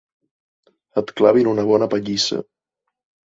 Et clavin una bona pallissa.